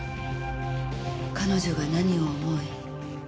彼女が何を思い